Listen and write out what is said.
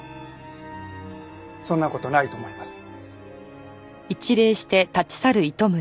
そんな事ないと思います。